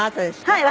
はい。